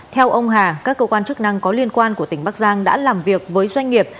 theo ông hà các cơ quan chức năng có liên quan của tỉnh bắc giang đã làm việc với doanh nghiệp